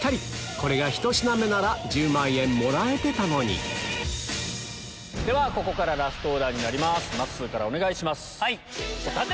これが１品目なら１０万円もらえてたのにここからラストオーダーになりますまっすーからお願いします。